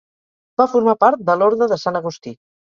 Va formar part de l'Orde de Sant Agustí.